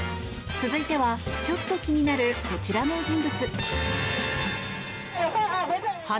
続いてはちょっと気になるこちらの人物。